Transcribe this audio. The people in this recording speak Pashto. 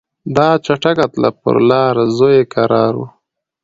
دا چټکه تله پر لار زوی یې کرار وو